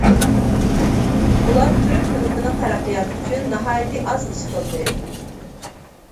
ئۇلار تۈرك مىللىتىنىڭ تەرەققىياتى ئۈچۈن ناھايىتى ئاز ئىش قىلدى.